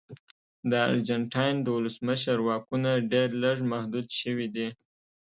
د ارجنټاین د ولسمشر واکونه ډېر لږ محدود شوي دي.